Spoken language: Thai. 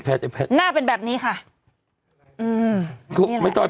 แฟดแข็ดหน้าเป็นแบบนี้ค่ะอืมนี่แหละไม่จอยแพทย์